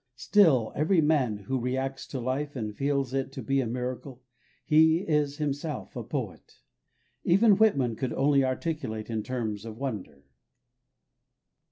Still every man who reacts to life and feels it to be a miracle, he is himself a poet. Even Whitman could only articulate in terms of wonder.